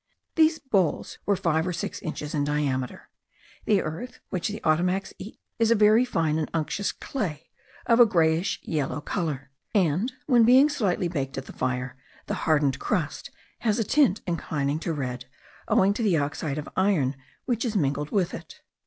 These balls were five or six inches in diameter. The earth which the Ottomacs eat is a very fine and unctuous clay of a yellowish grey colour; and, when being slightly baked at the fire, the hardened crust has a tint inclining to red, owing to the oxide of iron which is mingled with it.